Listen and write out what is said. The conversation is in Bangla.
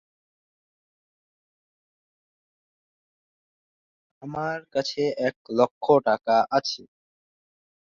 পুরুষরা সাত বছর বয়সে যৌন পরিপক্কতায় পৌঁছে।